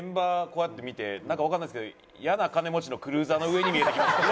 こうやって見てなんかわかんないですけどイヤな金持ちのクルーザーの上に見えてきました。